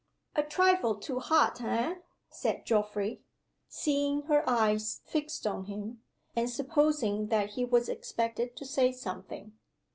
_" "A trifle too hot eh?" said Geoffrey, seeing her eyes fixed on him, and supposing that he was expected to say something.